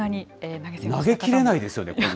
投げきれないですよね、こんな。